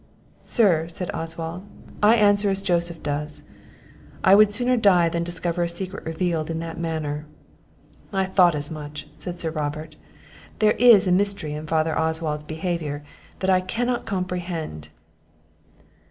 "Sir," said Oswald, "I answer as Joseph does; I would sooner die than discover a secret revealed in that manner." "I thought as much," said Sir Robert; "there is a mystery in Father Oswald's behaviour, that I cannot comprehend."